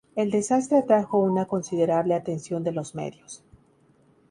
El desastre atrajo una considerable atención de los medios.